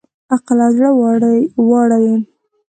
عقل او زړه واړه یې